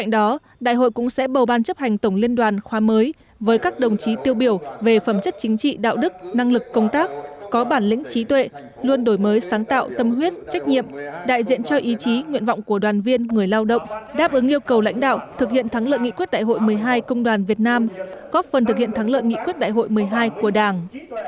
đại hội cũng sẽ bầu ban chấp hành tổng liên đoàn khoa mới với các đồng chí tiêu biểu về phẩm chất chính trị đạo đức năng lực công tác có bản lĩnh trí tuệ luôn đổi mới sáng tạo tâm huyết trách nhiệm đại diện cho ý chí nguyện vọng của đoàn viên người lao động đáp ứng yêu cầu lãnh đạo thực hiện thắng lợi nghị quyết đại hội một mươi hai công đoàn việt nam góp phần thực hiện thắng lợi nghị quyết đại hội một mươi hai của đảng